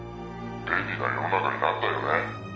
便利な世の中になったよね。